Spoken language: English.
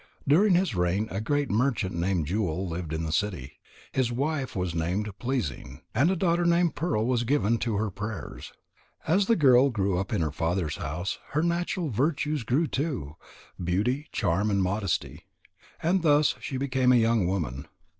During his reign a great merchant named Jewel lived in the city. His wife was named Pleasing, and a daughter named Pearl was given to her prayers. As the girl grew up in her father's house, her natural virtues grew too: beauty, charm, and modesty. And thus she became a young woman.